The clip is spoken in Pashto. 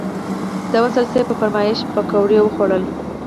د وصال صیب په فرمایش پکوړې وخوړل.